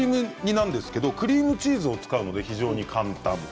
クリームチーズを使うので非常に簡単です。